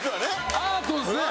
アートですね。